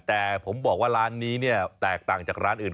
แต่ผมบอกว่าร้านนี้เนี่ยแตกต่างจากร้านอื่น